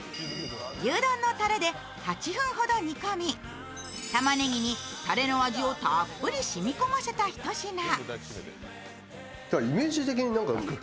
牛丼のたれで８分ほど煮込み、たまねぎにたれの味をたっぷり染み込ませたひと品。